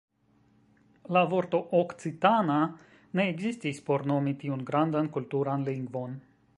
La vorto "okcitana" ne ekzistis por nomi tiun grandan kulturan lingvon.